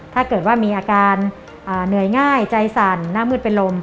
ถ้าเกิดว่ามีอาการเหนื่อยง่ายใจสั่นหน้ามืดเป็นลม